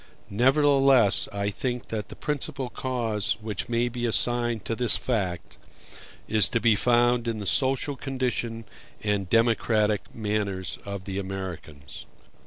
Nevertheless, I think that the principal cause which may be assigned to this fact is to be found in the social condition and democratic manners of the Americans.